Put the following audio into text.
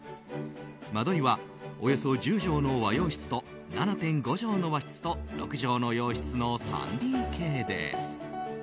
間取りはおよそ１０畳の和洋室と７．５畳の和室と６畳の洋室の３ＤＫです。